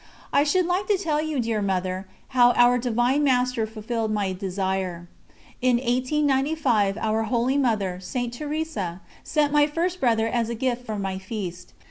I should like to tell you, dear Mother, how Our Divine Master fulfilled my desire. In 1895 our holy Mother, St. Teresa, sent my first brother as a gift for my feast.